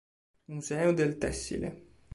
Museo del tessile